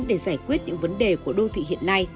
để giải quyết những vấn đề của đô thị hiện nay